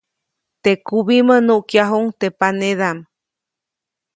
Teʼ kubimä nukyajuʼuŋ teʼ panedaʼm.